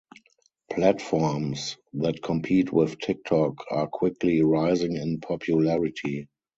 Platforms that compete with TikTok are quickly rising in popularity.